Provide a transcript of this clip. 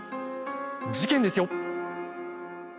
事件ですよ。